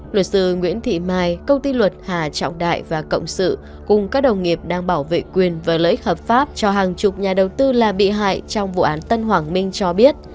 luật sư nguyễn thị mai công ty luật hà trọng đại và cộng sự cùng các đồng nghiệp đang bảo vệ quyền và lợi ích hợp pháp cho hàng chục nhà đầu tư là bị hại trong vụ án tân hoàng minh cho biết